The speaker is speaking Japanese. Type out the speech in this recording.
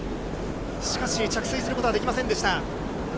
しかし、着水することはできませんでした。